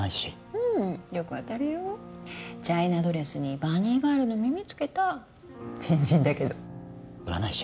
うんよく当たるよチャイナドレスにバニーガールの耳つけた変人だけど占い師？